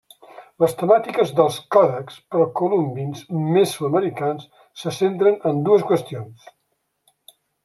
Les temàtiques dels còdexs precolombins mesoamericans se centren en dues qüestions.